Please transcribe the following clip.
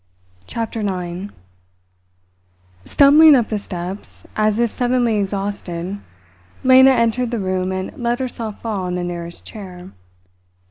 CHAPTER NINE Stumbling up the steps, as if suddenly exhausted, Lena entered the room and let herself fall on the nearest chair.